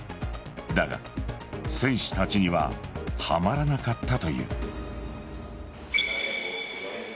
だが、選手たちにはハマらなかったという。